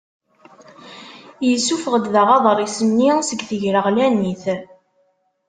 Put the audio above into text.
Yessuffuɣ-d daɣ aḍris-nni seg tegreɣlanit.